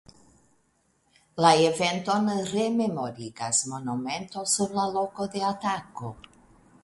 La eventon rememorigas monumento sur la loko de atako.